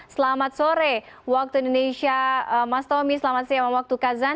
selamat sore waktu indonesia mas tommy selamat siang waktu kazan